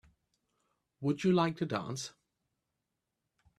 Would you like to dance?